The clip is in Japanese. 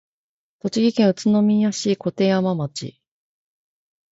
栃木県宇都宮市鐺山町